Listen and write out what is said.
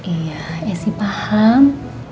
iya a sih paham